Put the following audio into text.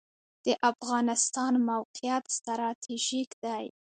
د افغانستان موقعیت ستراتیژیک دی